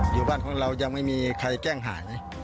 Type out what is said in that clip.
อยู่บ้านของเรายังไม่มีใครแจ้งหายเลย